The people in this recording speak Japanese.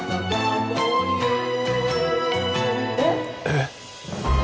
えっ！？